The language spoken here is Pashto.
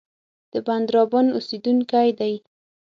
د بندرابن اوسېدونکی دی.